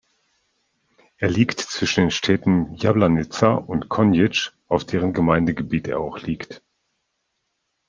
Er liegt zwischen den Städten Jablanica und Konjic, auf deren Gemeindegebiet er auch liegt.